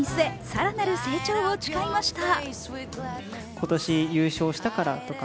更なる成長を誓いました。